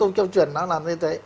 à câu truyền nó làm như thế